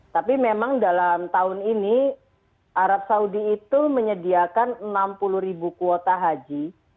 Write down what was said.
tapi memang dalam tahun ini arab saudi itu menyediakan enam puluh ribu kuota haji